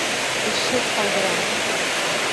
Эшһеҙ ҡалдырам!